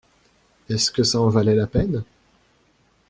Est-ce que ça en valait la peine?